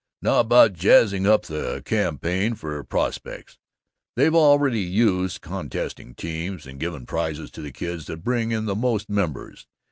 Now about jazzing up the campaign for prospects: they've already used contesting teams, and given prizes to the kids that bring in the most members.